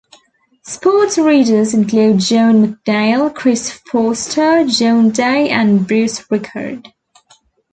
Sports readers include John McNeil, Chris Forster, John Day and Bruce Rickard.